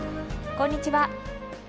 こんにちは。